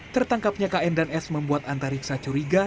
tertangkapnya kn dan s membuat antariksa curiga